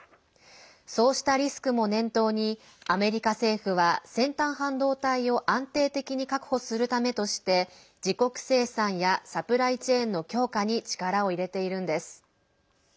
そうしたリスクも念頭にアメリカ政府は先端半導体を安定的に確保するためとして自国生産やサプライチェーンの強化に力を入れているんです。